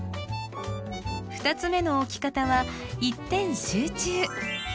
２つ目の置き方は一点集中。